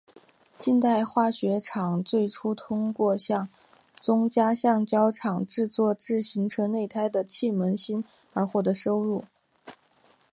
近代化学厂最初通过向宗家橡胶厂制作自行车内胎的气门芯而获取收入。